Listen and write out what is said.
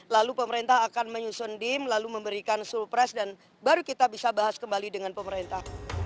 lalu pemerintah akan menyusun dim lalu memberikan surprise dan baru kita bisa bahas kembali dengan pemerintah